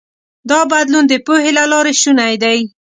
دا بدلون د پوهې له لارې شونی دی.